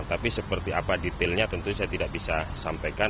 tapi seperti apa detailnya tentu saya tidak bisa sampaikan